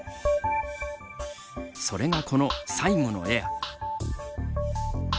それが、この最後のエア。